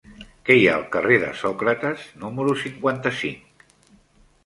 Què hi ha al carrer de Sòcrates número cinquanta-cinc?